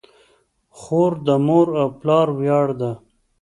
خور د مور او پلار ویاړ ده.